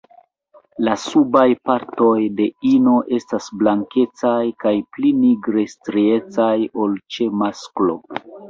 La subaj partoj de ino estas blankecaj kaj pli nigre striecaj ol ĉe masklo.